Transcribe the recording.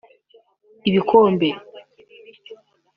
ibikombe